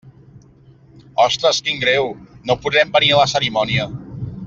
Ostres, quin greu, no podrem venir a la cerimònia.